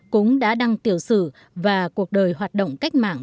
cũng đã đăng tiểu sử và cuộc đời hoạt động cách mạng